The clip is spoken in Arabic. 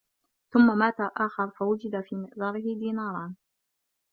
ثُمَّ مَاتَ آخَرُ فَوُجِدَ فِي مِئْزَرِهِ دِينَارَانِ